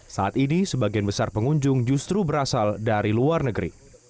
saat ini sebagian besar pengunjung justru berasal dari luar negeri